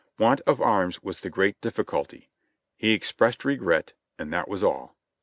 Want of arms was the great difficulty. He expressed regret, and that was all.